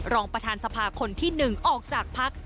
รองประธานสภาคนที่๑ออกจากพัก